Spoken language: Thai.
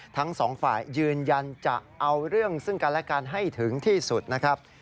ทั้งสองฝ่ายยืนยันจะเอาเรื่องซึ่งกันและกันให้ถึงที่สุดนะครับ